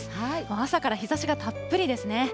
朝から日ざしがたっぷりですね。